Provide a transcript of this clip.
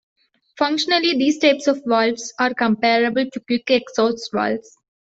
Functionally these types of valves are comparable to quick exhaust valves.